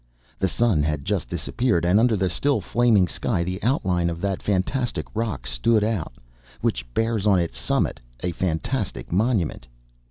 The sun had just disappeared, and under the still flaming sky the outline of that fantastic rock stood out, which bears on its summit a fantastic monument.